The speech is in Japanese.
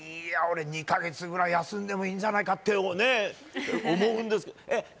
俺、２か月ぐらい休んでもいいんじゃないかって思うんですけど。